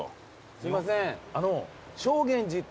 すいません。